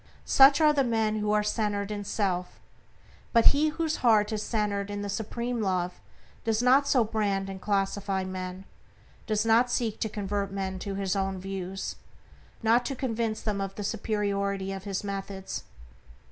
Such are the men who are centered in self. But he whose heart is centered in the supreme Love does not so brand and classify men; does not seek to convert men to his own views, not to convince them of the superiority of his methods.